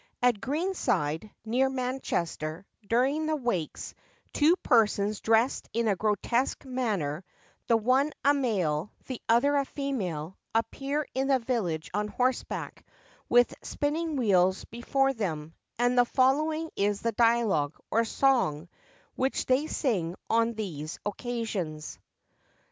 At Greenside, near Manchester, during the wakes, two persons, dressed in a grotesque manner, the one a male, the other a female, appear in the village on horseback, with spinning wheels before them; and the following is the dialogue, or song, which they sing on these occasions.